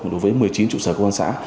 đối với một mươi chín trụ sở công an xã